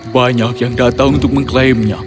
banyak yang datang untuk mengklaimnya